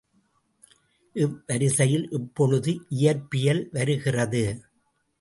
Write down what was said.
இவ்வரிசையில் இப்பொழுது இயற்பியல் வருகிறது.